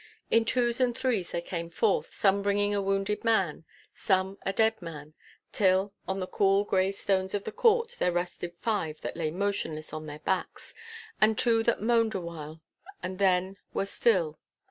In twos and threes they came forth, some bringing a wounded man, some a dead man, till, on the cool, grey stones of the court, there rested five that lay motionless on their backs, and two that moaned a while and then were still.